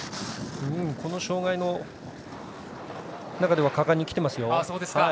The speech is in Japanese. この障がいの中では果敢にきていますよ。